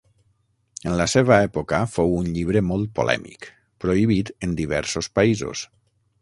En la seva època fou un llibre molt polèmic, prohibit en diversos països.